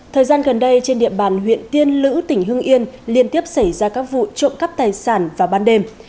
thời gian gần đây trên địa bàn huyện tiên lữ tỉnh hương yên liên tiếp xảy ra các vụ trộm cắp tài sản vào ban đêm